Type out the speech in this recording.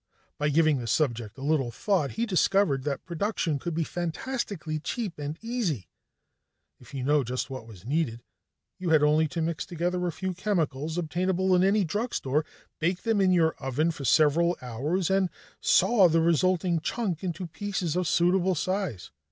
By giving the subject a little thought, he discovered that production could be fantastically cheap and easy. If you knew just what was needed, you had only to mix together a few chemicals obtainable in any drugstore, bake them in your oven for several hours, and saw the resulting chunk into pieces of suitable size.